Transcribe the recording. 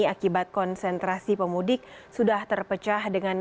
akibat konsentrasi pemudik sudah terpecah dengan